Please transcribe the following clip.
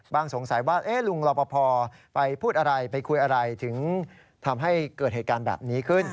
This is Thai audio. สงสัยว่าลุงรอปภไปพูดอะไรไปคุยอะไรถึงทำให้เกิดเหตุการณ์แบบนี้ขึ้น